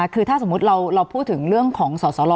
คือถ้าสมมุติเราพูดถึงเรื่องของสอสล